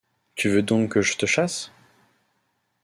Tu veux donc que je te chasse ?